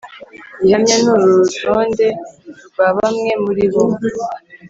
gihamya ni uru urutonde rwa bamwe muri bo: